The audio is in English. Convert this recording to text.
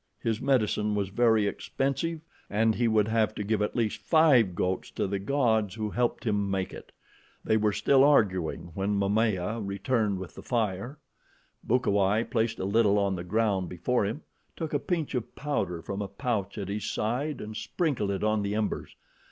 His medicine was very expensive and he would have to give at least five goats to the gods who helped him make it. They were still arguing when Momaya returned with the fire. Bukawai placed a little on the ground before him, took a pinch of powder from a pouch at his side and sprinkled it on the embers.